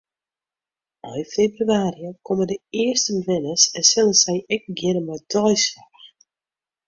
Ein febrewaarje komme de earste bewenners en sille se ek begjinne mei deisoarch.